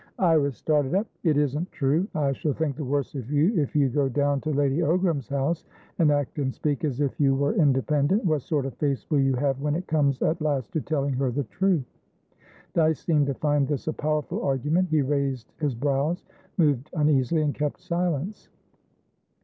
Iris started up. "It isn't true! I shall think the worse of you if you go down to Lady Ogram's house, and act and speak as if you were independent. What sort of face will you have when it comes at last to telling her the truth?" Dyce seemed to find this a powerful argument. He raised his brows, moved uneasily, and kept silence.